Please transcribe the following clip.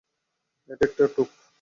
এটা একটা টোপ!